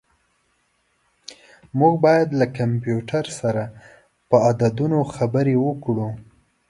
موږ باید له کمپیوټر سره په عددونو خبرې وکړو.